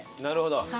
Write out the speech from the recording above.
なるほど。